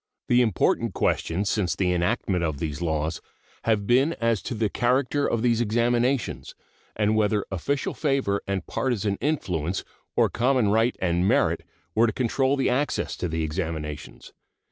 The important questions since the enactment of these laws have been as to the character of these examinations, and whether official favor and partisan influence or common right and merit were to control the access to the examinations.